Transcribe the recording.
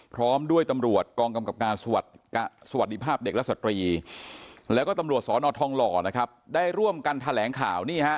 พร้อมด้วยตำรวจกองกำกับการสวัสดีภาพเด็กและสตรีแล้วก็ตำรวจสอนอทองหล่อนะครับได้ร่วมกันแถลงข่าวนี่ฮะ